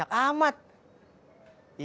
mabok kalau di ies rudin